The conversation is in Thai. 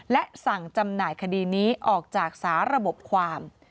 และสั่งจำหน่ายคดีนี้ออกจากสาระบบความ